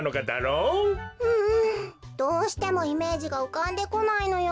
うんどうしてもイメージがうかんでこないのよ。